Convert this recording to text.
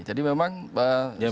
jadi memang bahwa kita harus berpikir